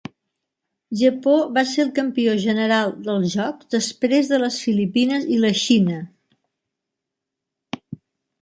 Japó va ser el campió general dels Jocs després de les Filipines i la Xina.